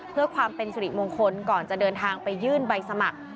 เพื่อความเป็นสิริมงคลก่อนจะเดินทางไปยื่นใบสมัคร